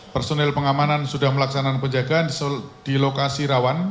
personil pengamanan sudah melaksanakan penjagaan di lokasi rawan